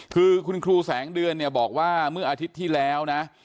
คือคุณครูแสงเดือนเนี่ยบอกว่าเมื่ออาทิตย์ที่แล้วนะ